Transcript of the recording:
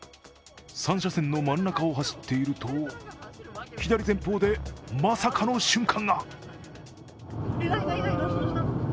３車線の真ん中を走っていると、左前方でまさかの瞬間！